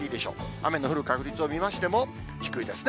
雨の降る確率を見ましても、低いですね。